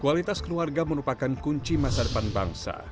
kualitas keluarga merupakan kunci masa depan bangsa